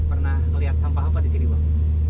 pernah melihat sampah apa di sini bang